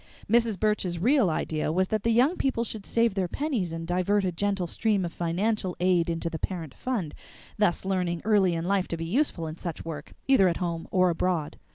Mrs. Burch's real idea was that the young people should save their pennies and divert a gentle stream of financial aid into the parent fund, thus learning early in life to be useful in such work, either at home or abroad.